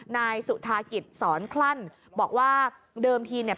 นายสุธากิจสอนคลั่นบอกว่าเดิมทีเนี่ย